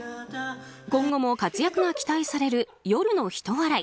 今後も活躍が期待される夜のひと笑い。